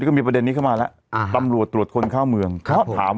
ก็มีประเด็นนี้เข้ามาแล้วอ่าตำรวจตรวจคนเข้าเมืองครับถาม